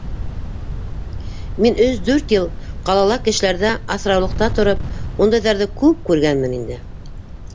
Мин, өс-дүрт йыл ҡалала кешеләрҙә аҫраулыҡта тороп, ундайҙарҙы күп күргәнмен инде.